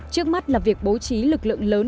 trước mắt là việc bố trí lực lượng lớn